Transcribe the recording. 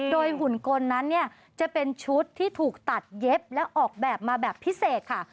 โดยหุ่นกลนั้นเนี่ยจะเป็นชุดที่ถูกตัดเย็บและออกแบบมาแบบพิเศษค่ะ